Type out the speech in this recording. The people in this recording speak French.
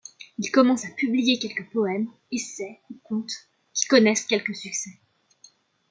Il commence à publier quelques poèmes, essais, ou contes, qui connaissent quelque succès.